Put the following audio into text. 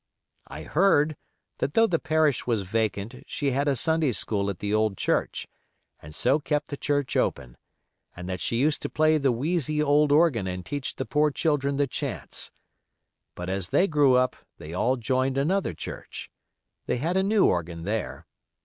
I heard that though the parish was vacant she had a Sunday school at the old church, and so kept the church open; and that she used to play the wheezy old organ and teach the poor children the chants; but as they grew up they all joined another Church; they had a new organ there.